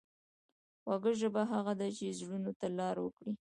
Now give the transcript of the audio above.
خوږه ژبه هغه ده چې زړونو ته لار وکړي.